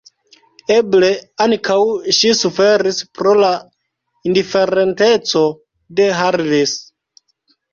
Eble ankaŭ ŝi suferis pro la indiferenteco de Harris.